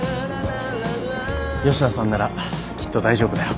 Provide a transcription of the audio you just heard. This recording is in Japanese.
吉野さんならきっと大丈夫だよ。